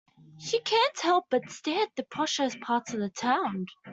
She can't help but to stare at the posher parts of town.